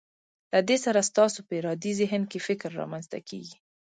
له دې سره ستاسو په ارادي ذهن کې فکر رامنځته کیږي.